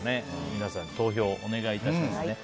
皆さん、投票お願いいたしますね。